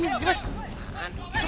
itu kenapa tuh